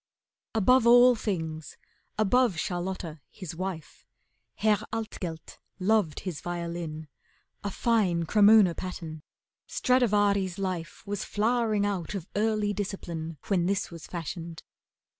Above all things, above Charlotta his wife, Herr Altgelt loved his violin, a fine Cremona pattern, Stradivari's life Was flowering out of early discipline When this was fashioned.